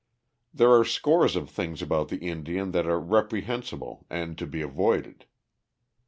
There are scores of things about the Indian that are reprehensible and to be avoided.